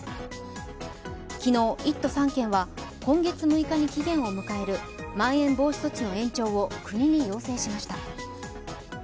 昨日、１都３県は今月６日に期限を迎えるまん延防止措置の延長を国に要請しました。